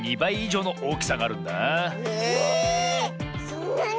そんなに？